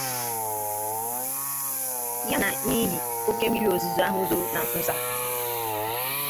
ya na n'ihi oke mmiri ozuzo ahụ zoro na nsonso a.